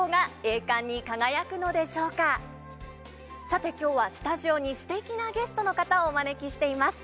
さて今日はスタジオにすてきなゲストの方をお招きしています。